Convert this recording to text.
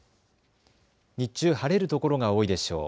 日中晴れる所が多いでしょう。